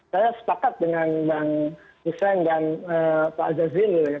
saya sepakat dengan bang hussein dan pak jazilul ya